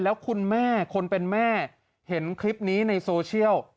แล้วคุณแม่คนเป็นแม่เห็นคลิปนี้ในโซเชียล